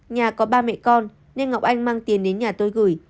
nhà có ba mẹ con nên ngọc anh mang tiền đến nhà tôi gửi